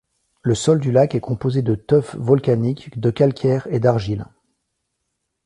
Le sol du lac est composé de tuf volcanique, de calcaire et d'argile.